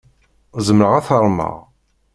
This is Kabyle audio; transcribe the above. Zemreɣ ad t-armeɣ?